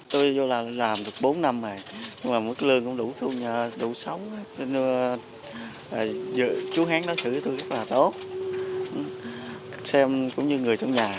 tôi vô là làm được bốn năm rồi mà mức lương cũng đủ thu nhờ đủ sống chú hén nói chuyện với tôi rất là tốt xem cũng như người trong nhà